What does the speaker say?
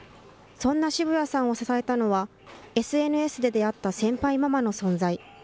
そんな澁谷さんを支えたのは、ＳＮＳで出会った先輩ママの存在。